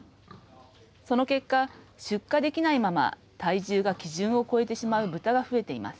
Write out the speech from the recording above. その結果出荷できないまま体重が基準を超えてしまう豚が増えています。